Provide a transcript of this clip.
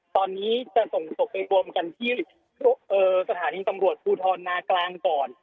ตอนนี้จะส่งศพไปรวมกันที่สถานีตำรวจภูทรนากลางก่อน